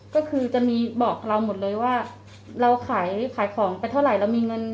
ก็คือจะมีบอกเราหมดเลยว่าเราขายของไปเท่าไหร่เรามีเงิน